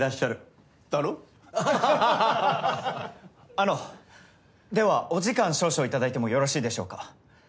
あのではお時間少々いただいてもよろしいでしょうか？